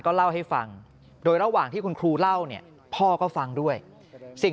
เล่าให้ฟังโดยระหว่างที่คุณครูเล่าเนี่ยพ่อก็ฟังด้วยสิ่ง